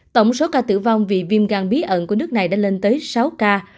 tổng số ca tử vong vì viêm gan bí ẩn của nước này đã lên tới sáu ca